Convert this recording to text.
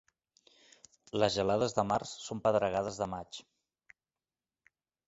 Les gelades de març són pedregades de maig.